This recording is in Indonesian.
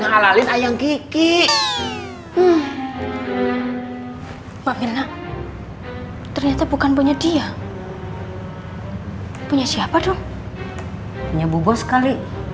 halalit ayang kiki mbak milna ternyata bukan punya dia punya siapa dong punya bubo sekali